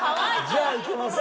じゃあいけますね。